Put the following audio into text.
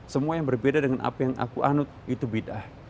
semua yang berbeda dengan apa yang aku anut itu bid'ah